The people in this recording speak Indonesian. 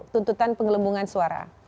tuntutan pengelumbungan suara